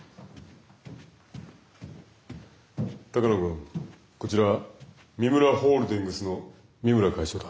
鷹野君こちら三村ホールディングスの三村会長だ。